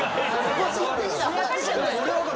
個人的な話じゃないっすか。